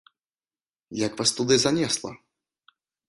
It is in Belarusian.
Як вас туды занесла?